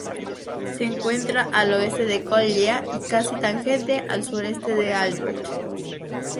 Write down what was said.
Se encuentra al oeste de Kolya y casi tangente al sureste de Albert.